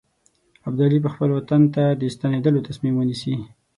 ابدالي به خپل وطن ته د ستنېدلو تصمیم ونیسي.